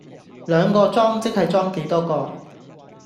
兩個裝即係裝幾多個